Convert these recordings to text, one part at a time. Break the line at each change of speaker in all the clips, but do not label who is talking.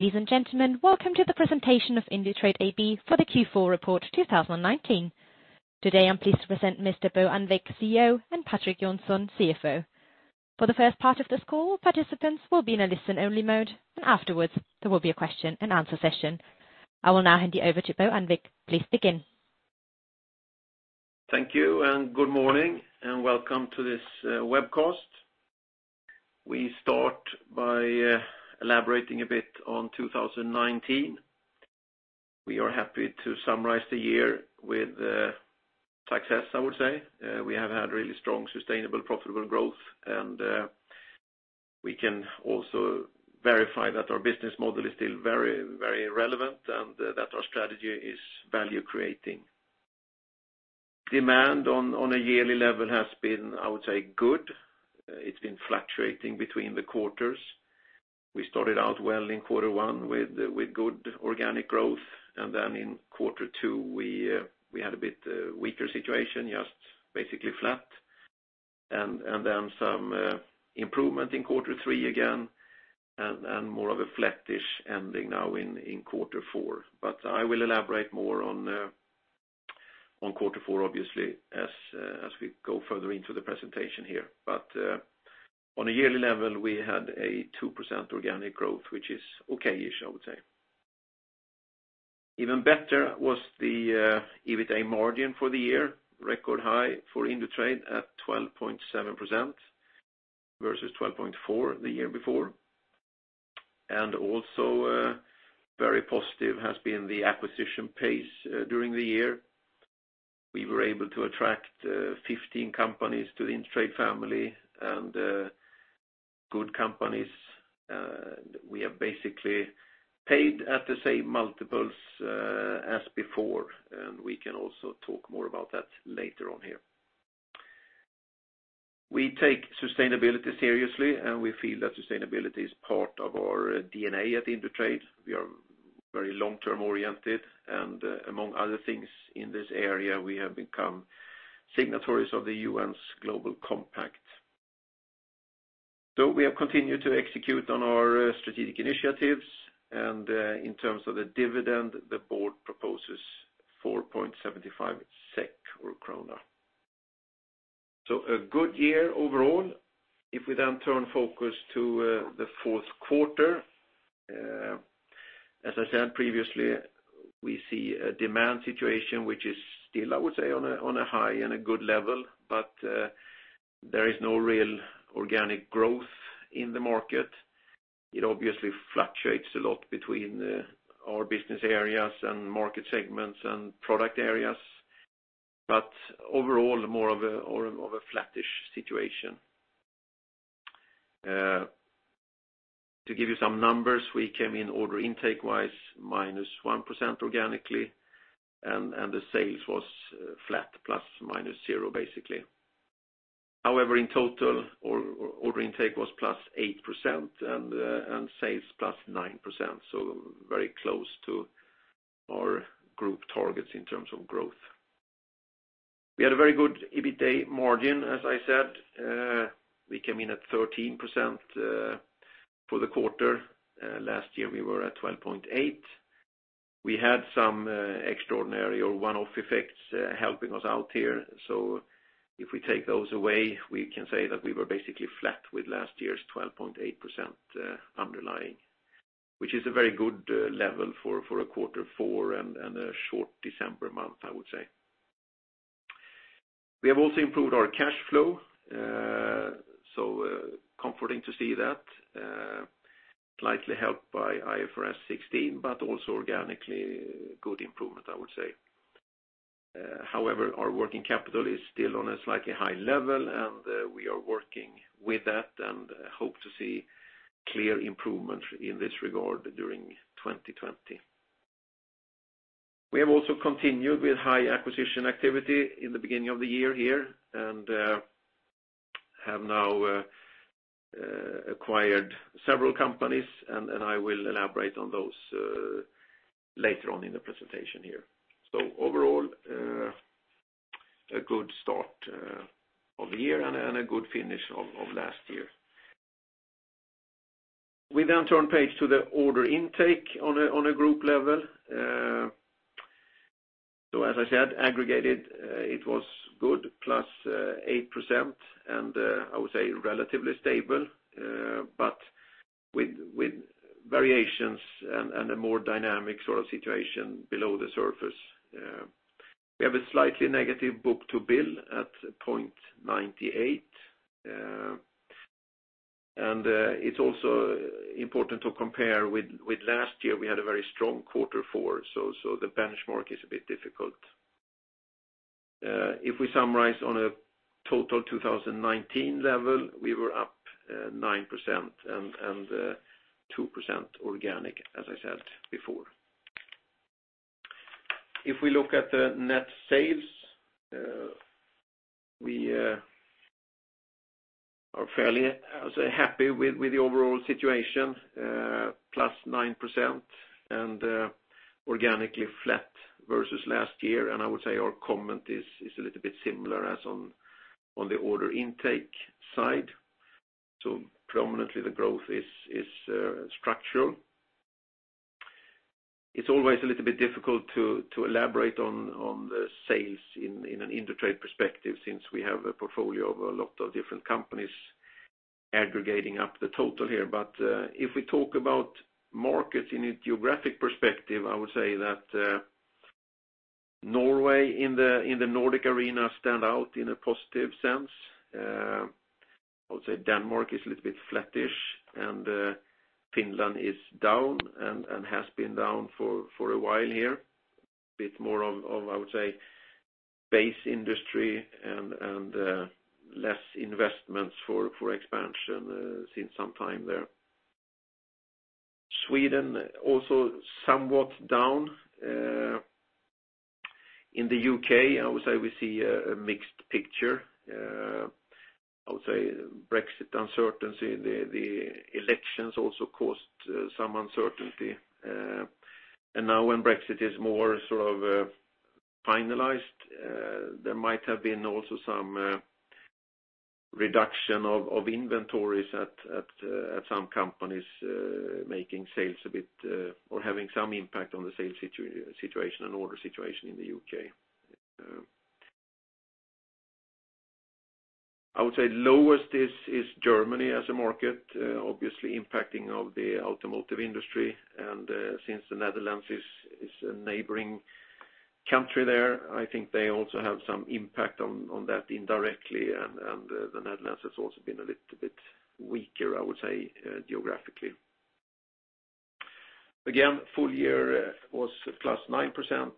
Ladies and gentlemen, welcome to the presentation of Indutrade AB for the Q4 report 2019. Today, I'm pleased to present Mr. Bo Annvik, CEO, and Patrik Johnson, CFO. For the first part of this call, participants will be in a listen-only mode, and afterwards there will be a question and answer session. I will now hand you over to Bo Annvik. Please begin.
Thank you, good morning, and welcome to this webcast. We start by elaborating a bit on 2019. We are happy to summarize the year with success, I would say. We have had really strong, sustainable, profitable growth, and we can also verify that our business model is still very relevant and that our strategy is value-creating. Demand on a yearly level has been, I would say, good. It's been fluctuating between the quarters. We started out well in quarter one with good organic growth, then in quarter two we had a bit weaker situation, just basically flat. Some improvement in quarter three again, and more of a flattish ending now in quarter four. I will elaborate more on quarter four, obviously, as we go further into the presentation here. On a yearly level, we had a 2% organic growth, which is okay-ish, I would say. Even better was the EBITA margin for the year, record high for Indutrade at 12.7% versus 12.4% the year before. Also very positive has been the acquisition pace during the year. We were able to attract 15 companies to the Indutrade family and good companies. We have basically paid at the same multiples as before, and we can also talk more about that later on here. We take sustainability seriously, and we feel that sustainability is part of our DNA at Indutrade. We are very long-term oriented and, among other things in this area, we have become signatories of the UN Global Compact. We have continued to execute on our strategic initiatives. In terms of the dividend, the board proposes 4.75 SEK. A good year overall. If we then turn focus to the fourth quarter, as I said previously, we see a demand situation which is still, I would say, on a high and a good level. There is no real organic growth in the market. It obviously fluctuates a lot between our business areas and market segments and product areas, but overall, more of a flattish situation. To give you some numbers, we came in order intake wise, -1% organically, and sales were flat, ±0, basically. However, in total, our order intake was +8% and sales +9%, so very close to our group targets in terms of growth. We had a very good EBITA margin, as I said. We came in at 13% for the quarter. Last year we were at 12.8%. We had some extraordinary one-off effects helping us out here. If we take those away, we can say that we were basically flat with last year's 12.8% underlying, which is a very good level for a quarter four and a short December month, I would say. We have also improved our cash flow. Comforting to see that. Slightly helped by IFRS 16, but also organically good improvement, I would say. However, our working capital is still on a slightly high level and we are working with that and hope to see clear improvement in this regard during 2020. We have also continued with high acquisition activity in the beginning of the year here and have now acquired several companies, and I will elaborate on those later on in the presentation here. Overall, a good start of the year and a good finish of last year. We turn page to the order intake on a group level. As I said, aggregated, it was good, +8%, and I would say relatively stable, but with variations and a more dynamic sort of situation below the surface. We have a slightly negative book-to-bill at 0.98. It's also important to compare with last year, we had a very strong quarter four, so the benchmark is a bit difficult. If we summarize on a total 2019 level, we were up 9% and 2% organic, as I said before. If we look at the net sales, we are fairly, I would say, happy with the overall situation, +9%, and organically flat versus last year. I would say our comment is a little bit similar as on the order intake side. Predominantly the growth is structural. It's always a little bit difficult to elaborate on the sales in an Indutrade perspective, since we have a portfolio of a lot of different companies aggregating up the total here. If we talk about markets in a geographic perspective, I would say that Norway in the Nordic arena stand out in a positive sense. I would say Denmark is a little bit flattish, and Finland is down and has been down for a while here. A bit more of base industry and less investments for expansion since some time there. Sweden also somewhat down. In the U.K., I would say we see a mixed picture. I would say Brexit uncertainty, the elections also caused some uncertainty. Now when Brexit is more finalized, there might have been also some reduction of inventories at some companies, making sales a bit, or having some impact on the sales situation and order situation in the U.K. I would say lowest is Germany as a market, obviously impacting of the automotive industry. Since the Netherlands is a neighboring country there, I think they also have some impact on that indirectly. The Netherlands has also been a little bit weaker geographically. Again, full year was plus 9%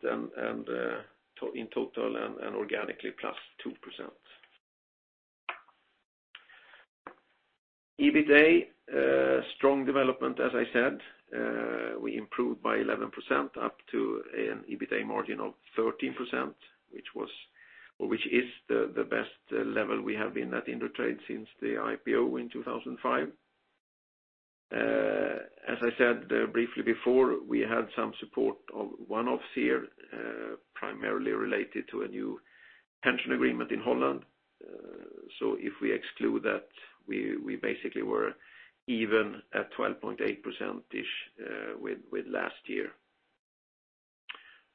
in total and organically plus 2%. EBITDA, strong development, as I said. We improved by 11% up to an EBITDA margin of 13%, which is the best level we have been at Indutrade since the IPO in 2005. As I said briefly before, we had some support of one-offs here, primarily related to a new pension agreement in Holland. If we exclude that, we basically were even at 12.8% ish with last year.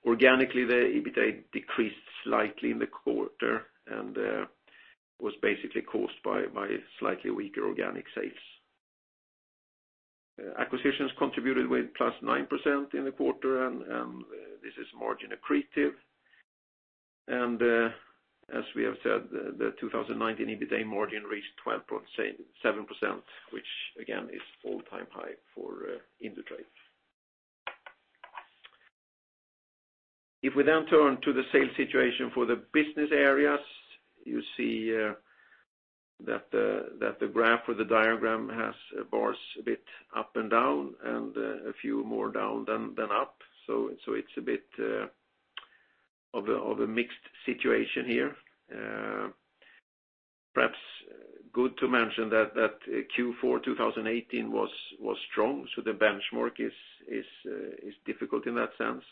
Organically, the EBITDA decreased slightly in the quarter, and was basically caused by slightly weaker organic sales. Acquisitions contributed with plus 9% in the quarter, and this is margin accretive. As we have said, the 2019 EBITDA margin reached 12.7%, which, again, is all-time high for Indutrade. If we turn to the sales situation for the business areas, you see that the graph or the diagram has bars a bit up and down, and a few more down than up. It's a bit of a mixed situation here. Perhaps good to mention that Q4 2018 was strong, so the benchmark is difficult in that sense.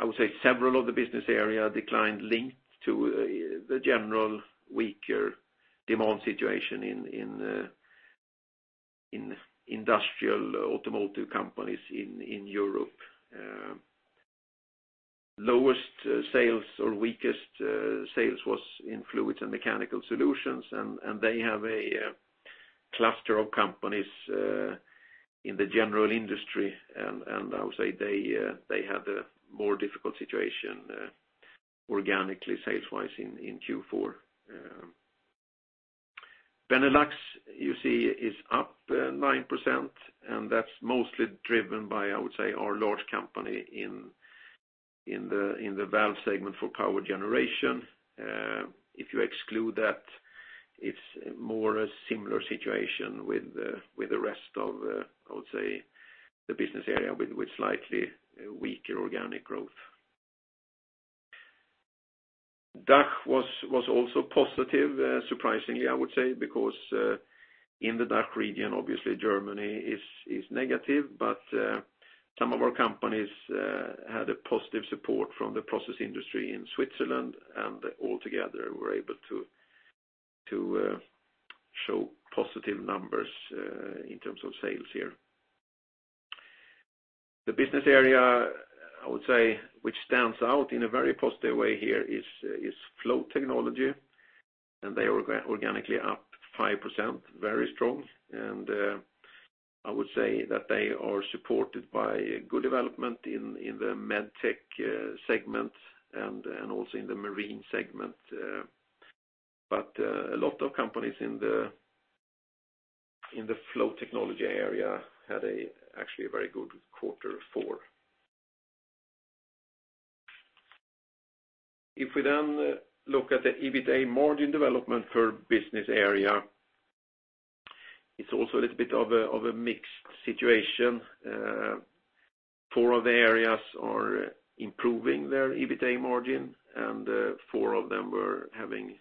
I would say several of the business area declined linked to the general weaker demand situation in industrial automotive companies in Europe. Lowest sales or weakest sales was in Fluids & Mechanical Solutions, and they have a cluster of companies in the general industry. I would say they had a more difficult situation organically sales-wise in Q4. Benelux, you see, is up 9%, and that's mostly driven by our large company in the valve segment for power generation. If you exclude that, it's more a similar situation with the rest of the business area, with slightly weaker organic growth. DACH was also positive, surprisingly, I would say, because in the DACH region, obviously Germany is negative, but some of our companies had a positive support from the process industry in Switzerland, and altogether, we're able to show positive numbers in terms of sales here. The business area which stands out in a very positive way here is Flow Technology, and they are organically up 5%, very strong. I would say that they are supported by good development in the MedTech segment and also in the marine segment. A lot of companies in the Flow Technology area had actually a very good quarter four. If we then look at the EBITDA margin development per business area, it's also a little bit of a mixed situation. Four of the areas are improving their EBITA margin, and four of them were having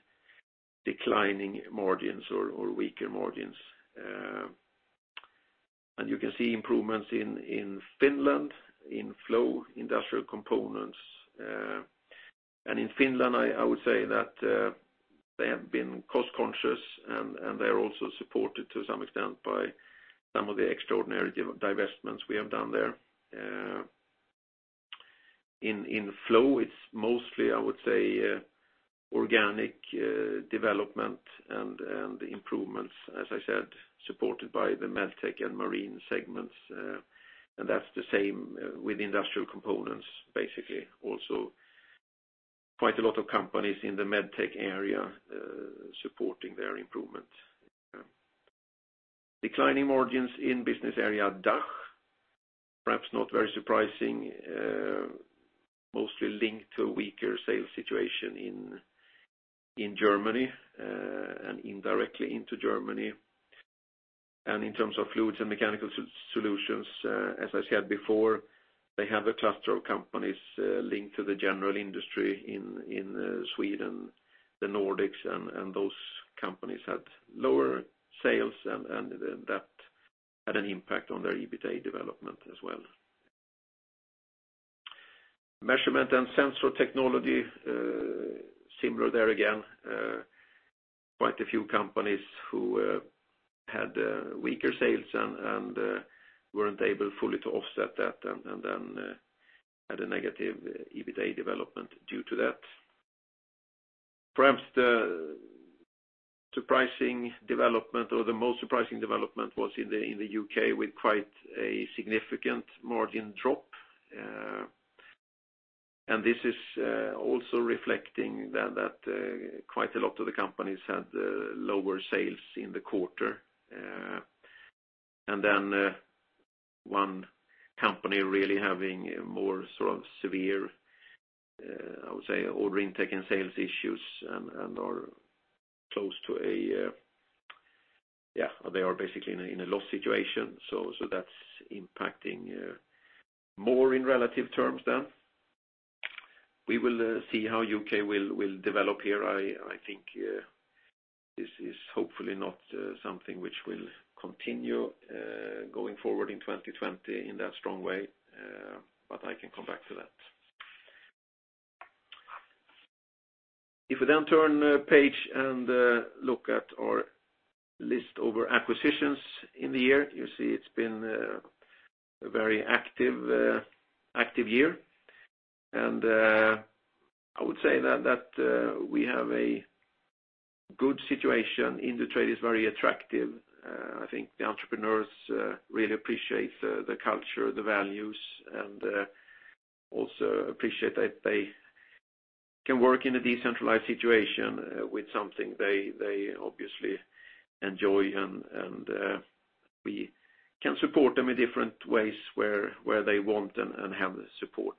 declining margins or weaker margins. You can see improvements in Finland, in Flow, Industrial Components. In Finland, I would say that they have been cost-conscious, and they are also supported to some extent by some of the extraordinary divestments we have done there. In Flow, it's mostly, I would say, organic development and improvements, as I said, supported by the MedTech and Marine segments. That's the same with Industrial Components, basically. Also quite a lot of companies in the MedTech area supporting their improvement. Declining margins in business area DACH, perhaps not very surprising, mostly linked to a weaker sales situation in Germany and indirectly into Germany. In terms of Fluids & Mechanical Solutions, as I said before, they have a cluster of companies linked to the general industry in Sweden, the Nordics, and those companies had lower sales, and that had an impact on their EBITA development as well. Measurement & Sensor Technology, similar there again, quite a few companies who had weaker sales and weren't able fully to offset that, and then had a negative EBITA development due to that. Perhaps the surprising development, or the most surprising development, was in the U.K. with quite a significant margin drop. This is also reflecting that quite a lot of the companies had lower sales in the quarter. One company really having a more severe, I would say, order intake and sales issues. They are basically in a loss situation. That's impacting more in relative terms. We will see how U.K. will develop here. I think this is hopefully not something which will continue going forward in 2020 in that strong way, but I can come back to that. If we then turn the page and look at our list over acquisitions in the year, you see it's been a very active year. I would say that we have a good situation. Indutrade is very attractive. I think the entrepreneurs really appreciate the culture, the values, and also appreciate that they can work in a decentralized situation with something they obviously enjoy, and we can support them in different ways where they want and have the support.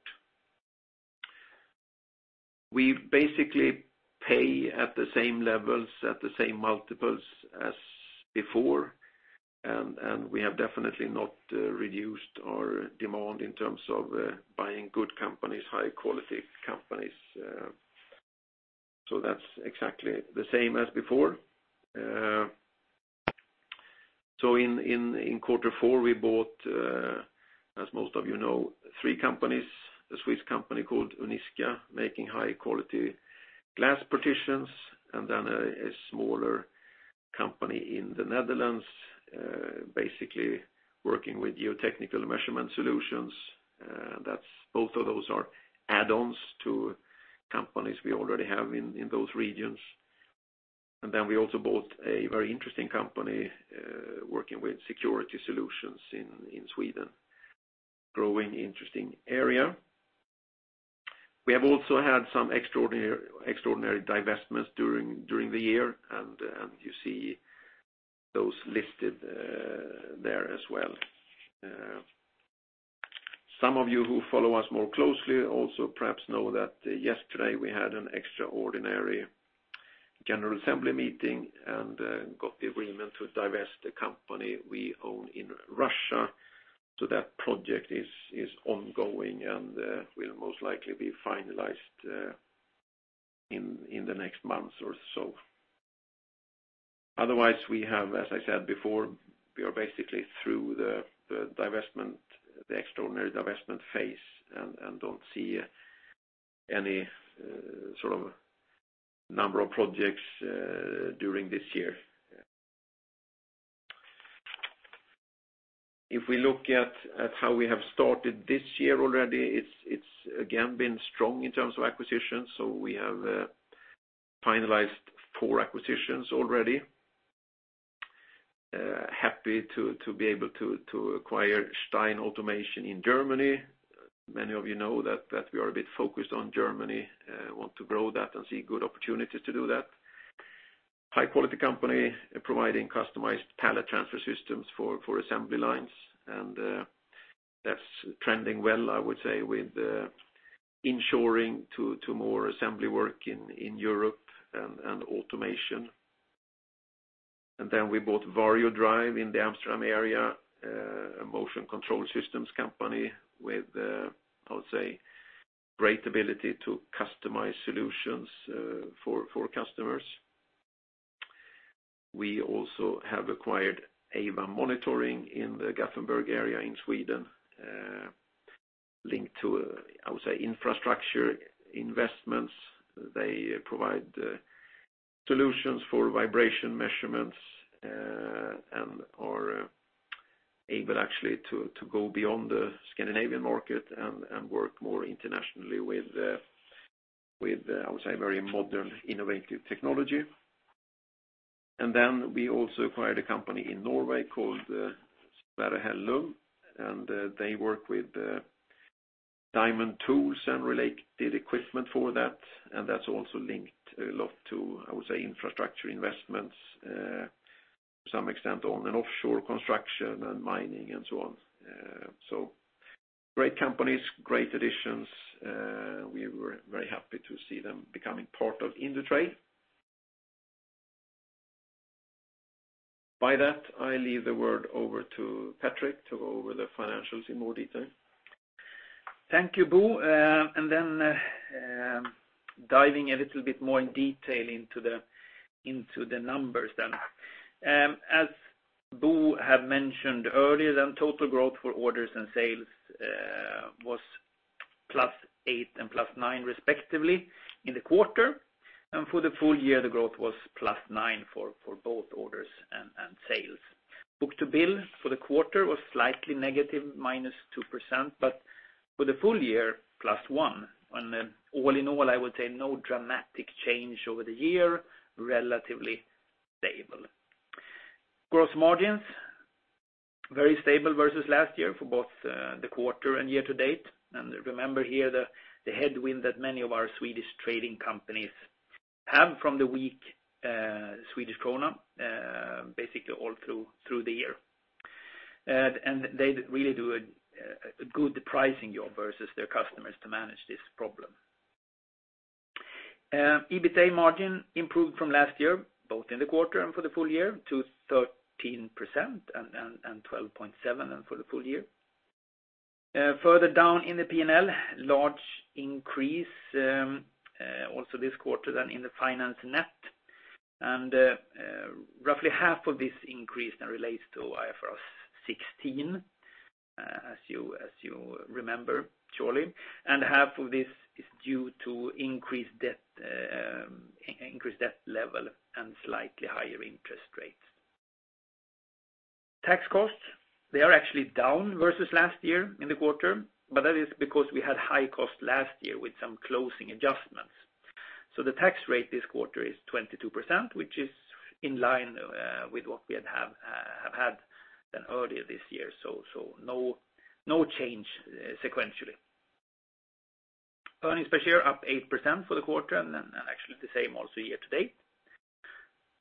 We basically pay at the same levels, at the same multiples as before, and we have definitely not reduced our demand in terms of buying good companies, high-quality companies. That's exactly the same as before. In quarter four, we bought, as most of you know, three companies. A Swiss company called Uniska, making high-quality glass partitions, and then a smaller company in the Netherlands, basically working with geotechnical measurement solutions. Both of those are add-ons to companies we already have in those regions. We also bought a very interesting company working with security solutions in Sweden. Growing, interesting area. We have also had some extraordinary divestments during the year, and you see those listed there as well. Some of you who follow us more closely also perhaps know that yesterday we had an extraordinary general assembly meeting and got the agreement to divest the company we own in Russia. That project is ongoing and will most likely be finalized in the next months or so. We have, as I said before, we are basically through the extraordinary divestment phase and don't see any number of projects during this year. If we look at how we have started this year already, it's again been strong in terms of acquisitions. We have finalized four acquisitions already. Happy to be able to acquire Stein Automation in Germany. Many of you know that we are a bit focused on Germany, want to grow that and see good opportunities to do that. High-quality company providing customized pallet transfer systems for assembly lines. That's trending well, I would say, with ensuring to more assembly work in Europe and automation. We bought VarioDrive in the Amsterdam area, a motion control systems company with, I would say, great ability to customize solutions for customers. We also have acquired AVA Monitoring in the Gothenburg area in Sweden, linked to, I would say, infrastructure investments. They provide solutions for vibration measurements and are able actually to go beyond the Scandinavian market and work more internationally with, I would say, very modern, innovative technology. We also acquired a company in Norway called Søre Hellum, and they work with diamond tools and related equipment for that. That's also linked a lot to, I would say, infrastructure investments to some extent on an offshore construction and mining and so on. Great companies, great additions. We were very happy to see them becoming part of Indutrade. By that, I leave the word over to Patrik to go over the financials in more detail.
Thank you, Bo. Diving a little bit more in detail into the numbers then. As Bo have mentioned earlier, total growth for orders and sales was +8% and +9% respectively in the quarter. For the full year, the growth was +9% for both orders and sales. Book-to-bill for the quarter was slightly negative, -2%, but for the full year, +1%. All in all, I would say no dramatic change over the year, relatively stable. Gross margins, very stable versus last year for both the quarter and year to date. Remember here the headwind that many of our Swedish trading companies have from the weak SEK, basically all through the year. They really do a good pricing job versus their customers to manage this problem. EBITA margin improved from last year, both in the quarter and for the full year to 13% and 12.7% for the full year. Further down in the P&L, large increase also this quarter in the finance net. Roughly half of this increase now relates to IFRS 16, as you remember, surely. Half of this is due to increased debt level and slightly higher interest rates. Tax costs, they are actually down versus last year in the quarter, but that is because we had high cost last year with some closing adjustments. The tax rate this quarter is 22%, which is in line with what we have had earlier this year. No change sequentially. Earnings per share up 8% for the quarter. Actually the same also year to date.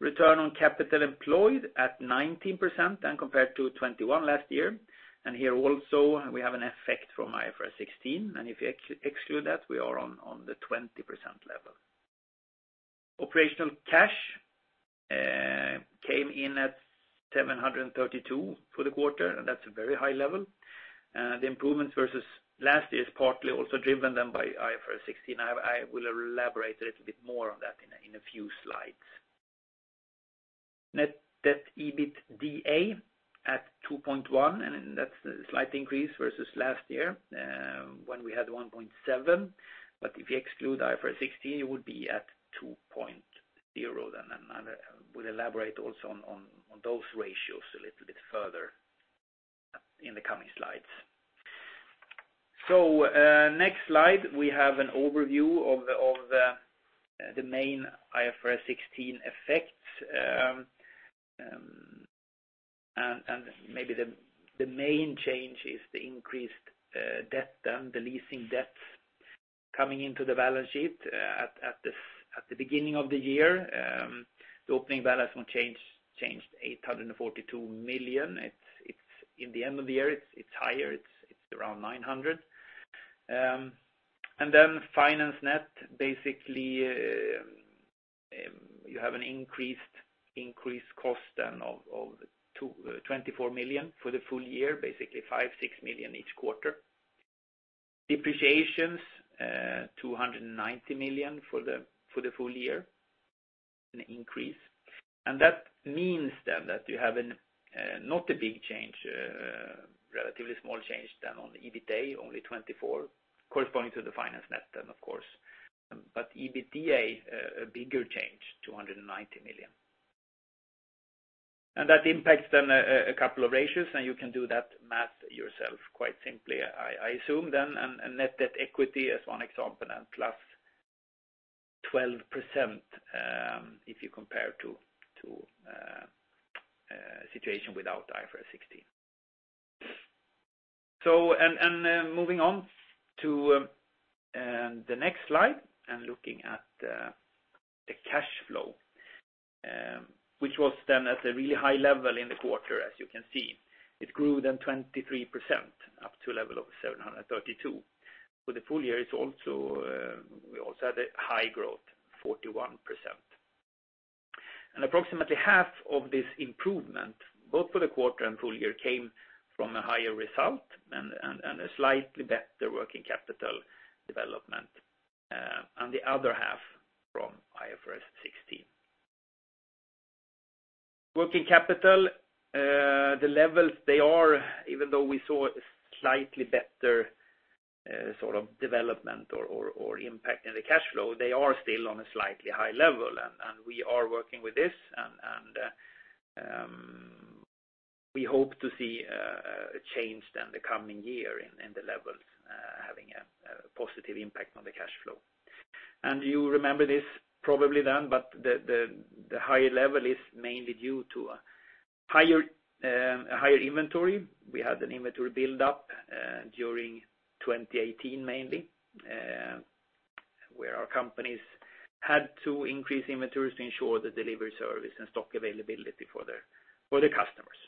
Return on capital employed at 19% compared to 21% last year. Here also we have an effect from IFRS 16. If you exclude that, we are on the 20% level. Operational cash came in at 732 million for the quarter, that's a very high level. The improvement versus last year is partly also driven then by IFRS 16. I will elaborate a little bit more on that in a few slides. Net debt EBITDA at 2.1, that's a slight increase versus last year when we had 1.7, if you exclude IFRS 16, it would be at 2.0 then. I will elaborate also on those ratios a little bit further in the coming slides. Next slide, we have an overview of the main IFRS 16 effects. Maybe the main change is the increased debt, the leasing debts coming into the balance sheet at the beginning of the year. The opening balance changed 842 million. Then finance net, basically you have an increased cost of 24 million for the full year, basically 5, 6 million each quarter. Depreciations, 290 million for the full year, an increase. That means then that you have not a big change, relatively small change then on the EBITA, only 24 million, corresponding to the finance net then, of course. EBITDA, a bigger change, 290 million. That impacts then a couple of ratios, and you can do that math yourself quite simply, I assume then. Net Debt to Equity as one example then plus 12%, if you compare to a situation without IFRS 16. Moving on to the next slide and looking at the cash flow which was then at a really high level in the quarter, as you can see. It grew then 23% up to a level of 732. For the full year, we also had a high growth, 41%. Approximately half of this improvement, both for the quarter and full year, came from a higher result and a slightly better working capital development. The other half from IFRS 16. Working capital, the levels they are, even though we saw a slightly better development or impact in the cash flow, they are still on a slightly high level, and we are working with this. We hope to see a change in the coming year in the levels having a positive impact on the cash flow. You remember this probably then, but the higher level is mainly due to a higher inventory. We had an inventory buildup during 2018 mainly, where our companies had to increase inventories to ensure the delivery service and stock availability for the customers.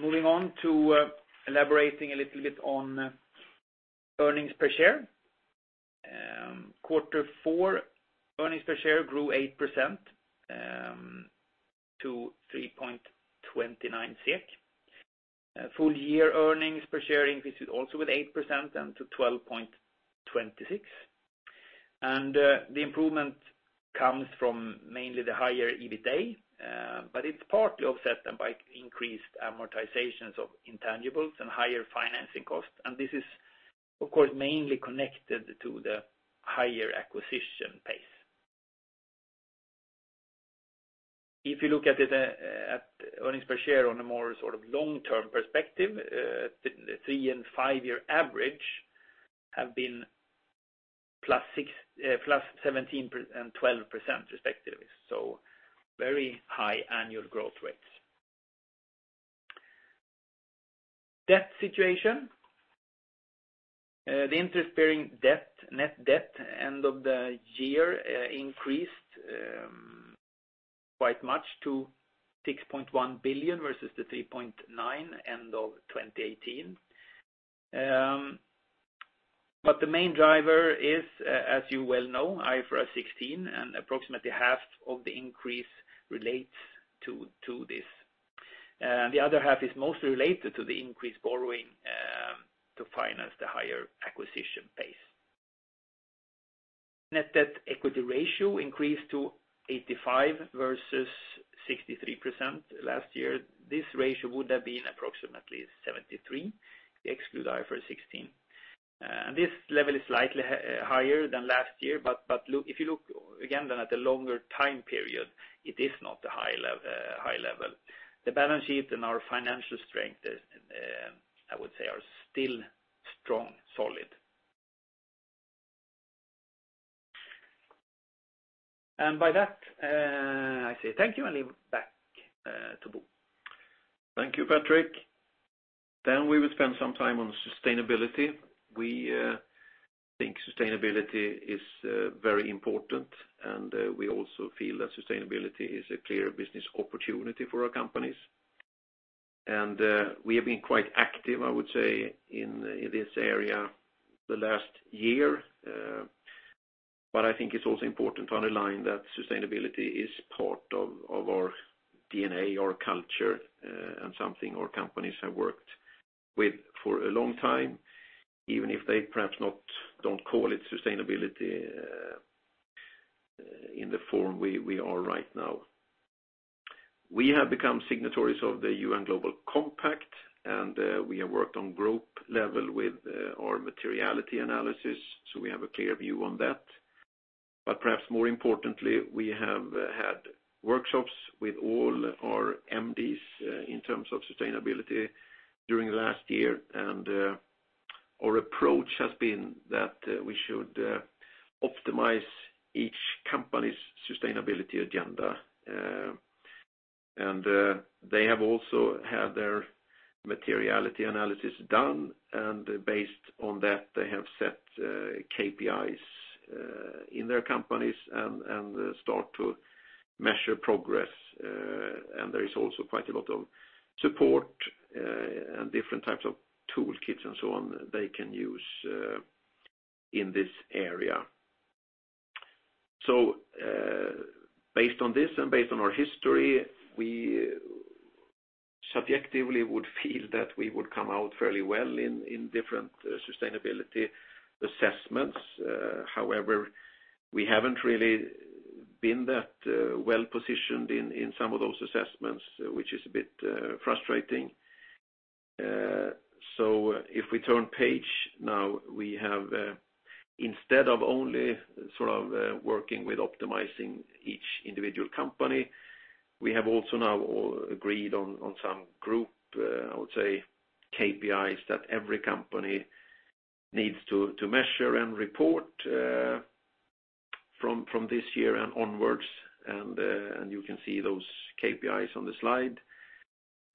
Moving on to elaborating a little bit on Earnings Per Share. Quarter four Earnings Per Share grew 8% to 3.29 SEK. Full year Earnings Per Share increased also with 8% down to 12.26. The improvement comes from mainly the higher EBITA, but it's partly offset then by increased amortizations of intangibles and higher financing costs. This is, of course, mainly connected to the higher acquisition pace. If you look at Earnings Per Share on a more long-term perspective, the three and five-year average have been +17% and 12% respectively, so very high annual growth rates. Debt situation. The interest-bearing net debt end of the year increased quite much to 6.1 billion versus the 3.9 end of 2018. The main driver is, as you well know, IFRS 16, and approximately half of the increase relates to this. The other half is mostly related to the increased borrowing to finance the higher acquisition pace. Net Debt equity ratio increased to 85% versus 63% last year. This ratio would have been approximately 73% if you exclude IFRS 16. This level is slightly higher than last year, but if you look again then at the longer time period, it is not a high level. The balance sheet and our financial strength, I would say, are still strong, solid. By that, I say thank you and leave it back to Bo.
Thank you, Patrik. We will spend some time on sustainability. We think sustainability is very important, and we also feel that sustainability is a clear business opportunity for our companies. We have been quite active, I would say, in this area the last year. I think it's also important to underline that sustainability is part of our DNA, our culture, and something our companies have worked with for a long time, even if they perhaps don't call it sustainability in the form we are right now. We have become signatories of the UN Global Compact, and we have worked on group level with our materiality analysis, so we have a clear view on that. Perhaps more importantly, we have had workshops with all our MDs in terms of sustainability during the last year. Our approach has been that we should optimize each company's sustainability agenda. They have also had their Materiality Analysis done, and based on that, they have set KPIs in their companies and start to measure progress. There is also quite a lot of support and different types of toolkits and so on they can use in this area. Based on this and based on our history, we subjectively would feel that we would come out fairly well in different sustainability assessments. However, we haven't really been that well-positioned in some of those assessments, which is a bit frustrating. If we turn page now, we have instead of only working with optimizing each individual company, we have also now all agreed on some group, I would say, KPIs that every company needs to measure and report from this year and onwards, and you can see those KPIs on the slide.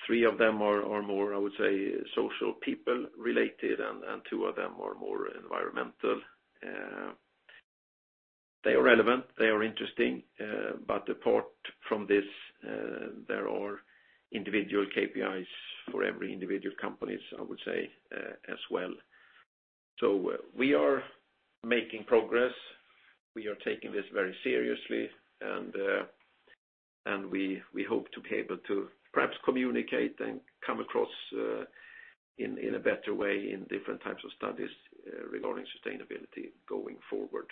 Three of them are more, I would say, social people related, and two of them are more environmental. Apart from this, there are individual KPIs for every individual company, I would say, as well. We are making progress. We are taking this very seriously, and we hope to be able to perhaps communicate and come across in a better way in different types of studies regarding sustainability going forward.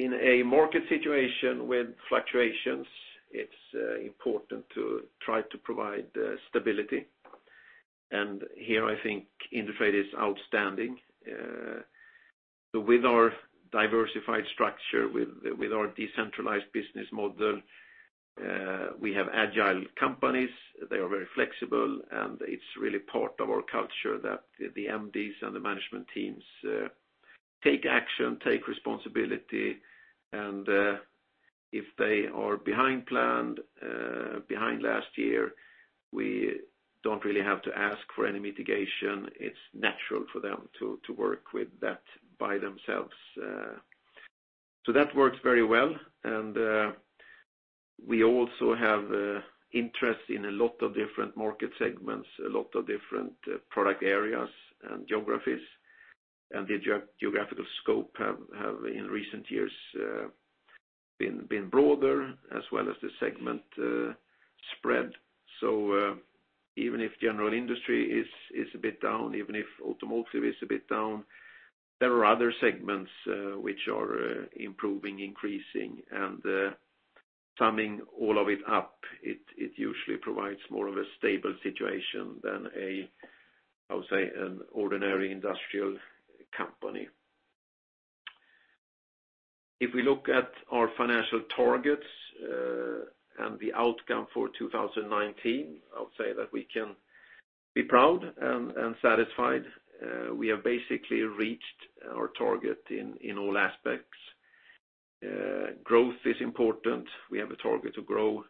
In a market situation with fluctuations, it's important to try to provide stability, and here I think Indutrade is outstanding. With our diversified structure, with our decentralized business model, we have agile companies. They are very flexible, and it's really part of our culture that the MDs and the management teams take action, take responsibility, and if they are behind plan, behind last year, we don't really have to ask for any mitigation. It's natural for them to work with that by themselves. That works very well, and we also have interest in a lot of different market segments, a lot of different product areas and geographies. The geographical scope have, in recent years, been broader as well as the segment spread. Even if general industry is a bit down, even if automotive is a bit down, there are other segments which are improving, increasing, and summing all of it up, it usually provides more of a stable situation than a, I would say, an ordinary industrial company. If we look at our financial targets and the outcome for 2019, I would say that we can be proud and satisfied. We have basically reached our target in all aspects. Growth is important. We have a target to grow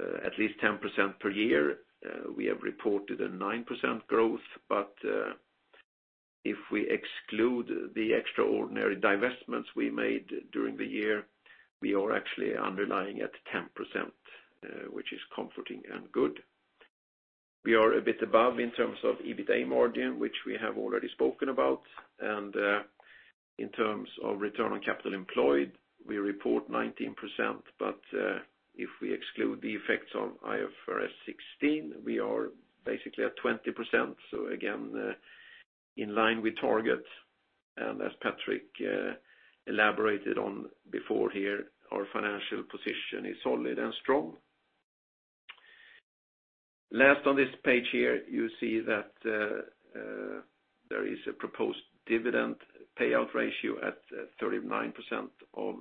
at least 10% per year. We have reported a 9% growth. If we exclude the extraordinary divestments we made during the year, we are actually underlying at 10%, which is comforting and good. We are a bit above in terms of EBITA margin, which we have already spoken about, and in terms of return on capital employed, we report 19%. If we exclude the effects of IFRS 16, we are basically at 20%. Again, in line with target, as Patrik elaborated on before here, our financial position is solid and strong. Last on this page here, you see that there is a proposed dividend payout ratio at 39% of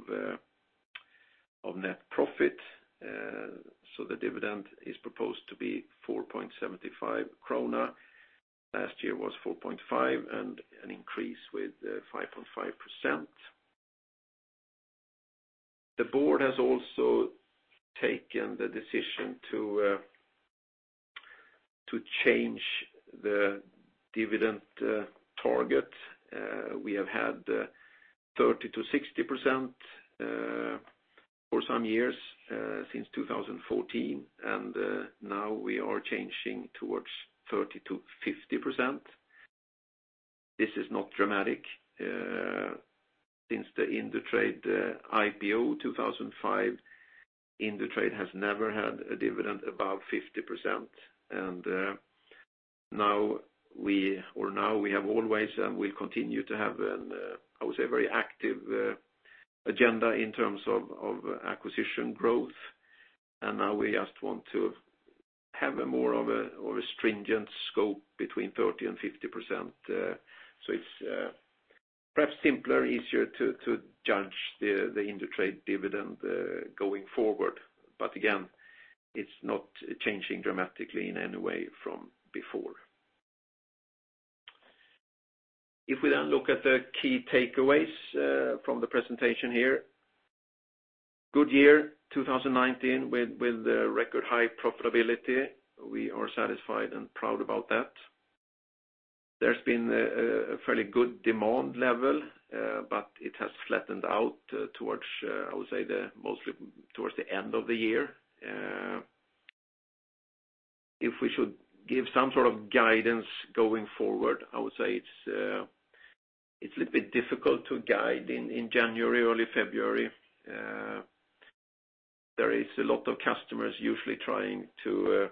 net profit. The dividend is proposed to be 4.75 krona. Last year was 4.5, and an increase with 5.5%. The board has also taken the decision to change the dividend target. We have had 30%-60% for some years, since 2014, and now we are changing towards 30%-50%. This is not dramatic. Since the Indutrade IPO 2005, Indutrade has never had a dividend above 50%, and now we have always and will continue to have an, I would say, very active agenda in terms of acquisition growth. Now we just want to have a more of a stringent scope between 30% and 50%. It's perhaps simpler, easier to judge the Indutrade dividend going forward. Again, it's not changing dramatically in any way from before. If we look at the key takeaways from the presentation here. Good year 2019 with record high profitability. We are satisfied and proud about that. There's been a fairly good demand level, but it has flattened out towards, I would say, mostly towards the end of the year. If we should give some sort of guidance going forward, I would say it's a little bit difficult to guide in January, early February. There is a lot of customers usually trying to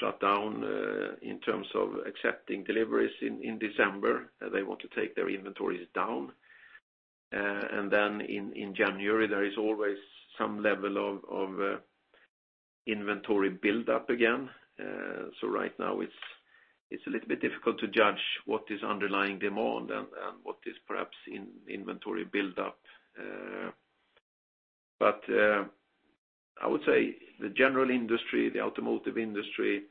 shut down in terms of accepting deliveries in December, they want to take their inventories down. Then in January, there is always some level of inventory buildup again. Right now it's a little bit difficult to judge what is underlying demand and what is perhaps inventory buildup. I would say the general industry, the automotive industry,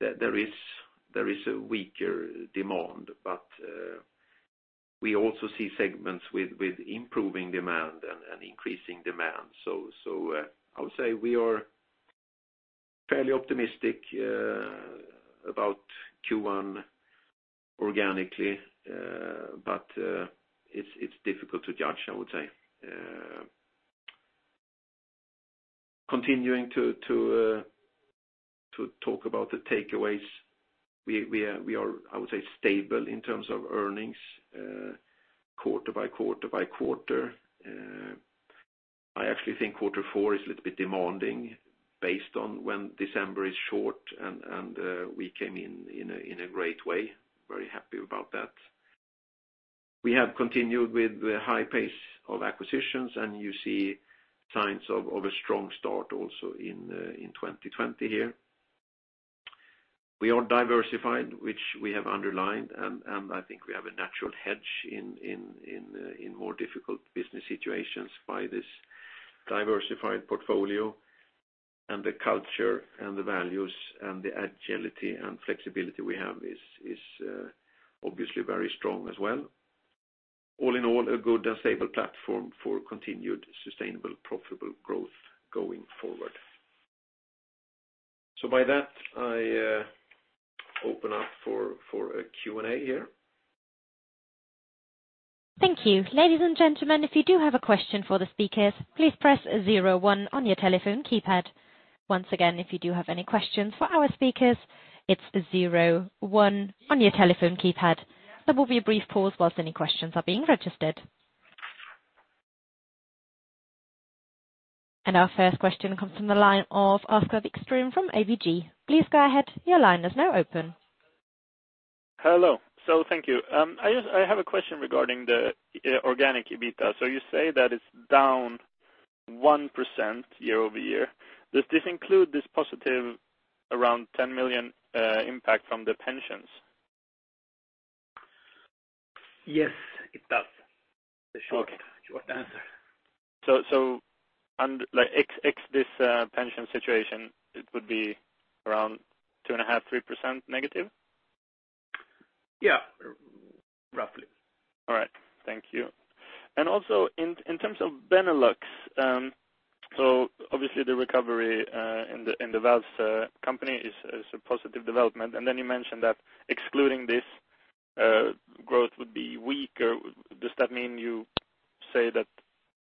there is a weaker demand, but we also see segments with improving demand and increasing demand. I would say we are fairly optimistic about Q1 organically, but it's difficult to judge, I would say. Continuing to talk about the takeaways, we are stable in terms of earnings quarter by quarter by quarter. I actually think quarter four is a little bit demanding based on when December is short and we came in a great way, very happy about that. We have continued with the high pace of acquisitions, and you see signs of a strong start also in 2020 here. We are diversified, which we have underlined, and I think we have a natural hedge in more difficult business situations by this diversified portfolio. The culture and the values and the agility and flexibility we have is obviously very strong as well. All in all, a good and stable platform for continued sustainable profitable growth going forward. With that, I open up for a Q&A here.
Thank you. Ladies and gentlemen, if you do have a question for the speakers, please press 01 on your telephone keypad. Once again, if you do have any questions for our speakers, it's 01 on your telephone keypad. There will be a brief pause while any questions are being registered. Our first question comes from the line of Oskar Vikström from ABG. Please go ahead. Your line is now open.
Hello. Thank you. I have a question regarding the organic EBITDA. You say that it's down 1% year-over-year. Does this include this positive around 10 million impact from the pensions?
Yes, it does. The short answer.
Ex this pension situation, it would be around two and a half, 3% negative?
Yeah. Roughly.
All right. Thank you. In terms of Benelux, obviously the recovery in the valves company is a positive development. Then you mentioned that excluding this growth would be weaker. Does that mean you say that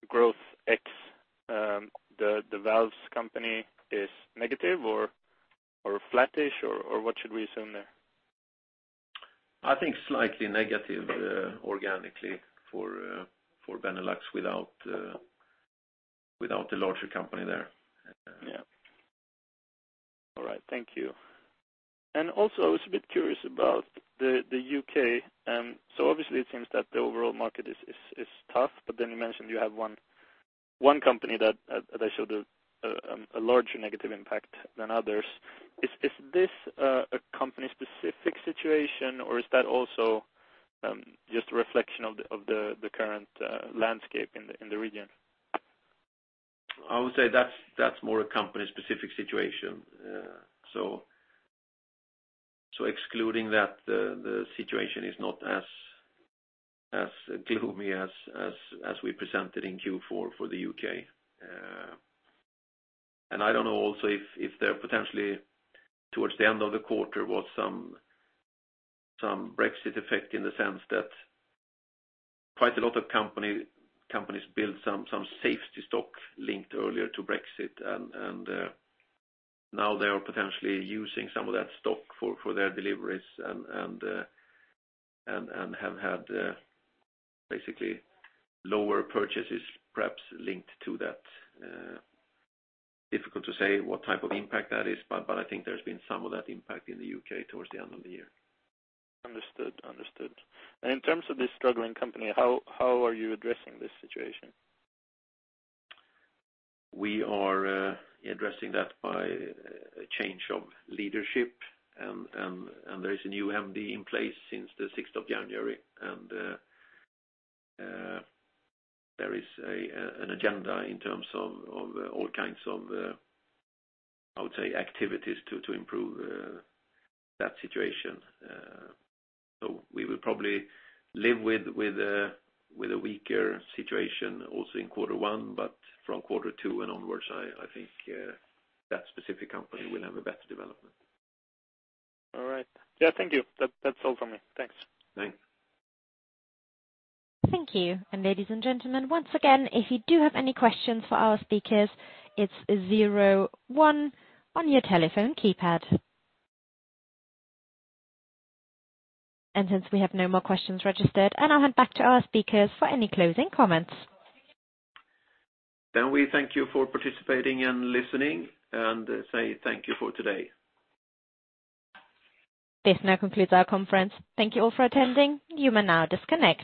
growth ex the valves company is negative or flat-ish? What should we assume there?
I think slightly negative organically for Benelux without the larger company there.
All right. Thank you. I was a bit curious about the U.K. Obviously it seems that the overall market is tough, you mentioned you have one company that showed a larger negative impact than others. Is this a company-specific situation or is that also just a reflection of the current landscape in the region?
I would say that's more a company-specific situation. Excluding that, the situation is not as gloomy as we presented in Q4 for the U.K. I don't know also if there potentially, towards the end of the quarter, was some Brexit effect in the sense that quite a lot of companies built some safety stock linked earlier to Brexit, and now they are potentially using some of that stock for their deliveries and have had basically lower purchases perhaps linked to that. Difficult to say what type of impact that is, I think there's been some of that impact in the U.K. towards the end of the year.
Understood. In terms of this struggling company, how are you addressing this situation?
We are addressing that by a change of leadership, and there is a new MD in place since the 6th of January. There is an agenda in terms of all kinds of, I would say, activities to improve that situation. We will probably live with a weaker situation also in quarter one, but from quarter two and onwards, I think that specific company will have a better development.
All right. Yeah, thank you. That's all from me. Thanks.
Thanks.
Thank you. Ladies and gentlemen, once again, if you do have any questions for our speakers, it's 01 on your telephone keypad. Since we have no more questions registered, I'll hand back to our speakers for any closing comments.
We thank you for participating and listening and say thank you for today.
This now concludes our conference. Thank you all for attending. You may now disconnect.